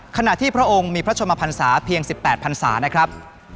ขณะที่พระองค์มีพระชมพันศาเพียง๑๘พันศานะครับ